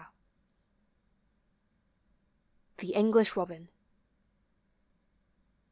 THE ENGLISH ROBIN.